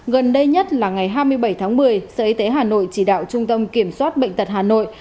gần đây nhất là ngày hai mươi bảy tháng một mươi sở y tế hà nội chỉ đạo trung tâm kiểm soát bệnh tật hà nội